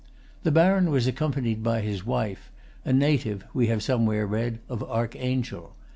The baron was accompanied by his wife, a native, we have somewhere read, of Archangel.